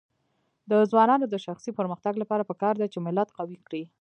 د ځوانانو د شخصي پرمختګ لپاره پکار ده چې ملت قوي کړي.